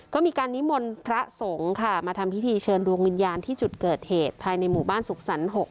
ก็มีการนิมนต์พระสงฆ์ค่ะมาทำพิธีเชิญดวงวิญญาณที่จุดเกิดเหตุภายในหมู่บ้านสุขสรรค์๖